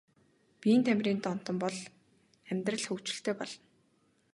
Биеийн тамирын донтон бол бол амьдрал хөгжилтэй болно.